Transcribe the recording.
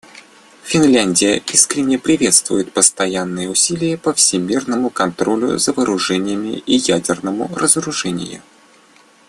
Финляндия искренне приветствует постоянные усилия по всемирному контролю за вооружениями и ядерному разоружения.